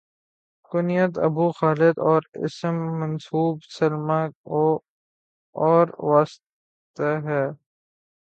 کنیت ابو خالد اور اسم منسوب سلمی اور واسطی ہے